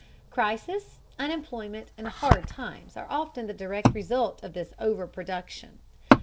Crises, unemployment, and "hard times" are often the direct result of this over production.